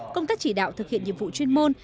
công tác chỉ đạo thực hiện nhiệm vụ chuyên môn